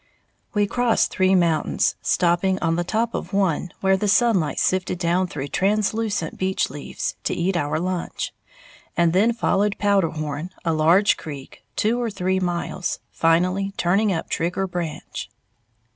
We crossed three mountains, stopping on the top of one, where the sunlight sifted down through translucent beech leaves, to eat our lunch, and then "followed" Powderhorn, a large creek, two or three miles, finally turning up Trigger Branch.